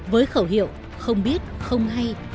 với khẩu hiệu không biết không hay không